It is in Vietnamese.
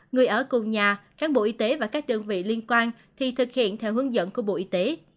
người ở cùng nhà cán bộ y tế và các đơn vị liên quan thì thực hiện theo hướng dẫn của bộ y tế